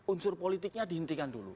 unsur politiknya dihentikan dulu